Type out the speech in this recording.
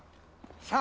さあ。